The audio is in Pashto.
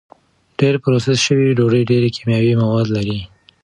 ډېره پروسس شوې ډوډۍ ډېر کیمیاوي مواد لري.